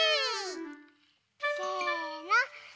せの。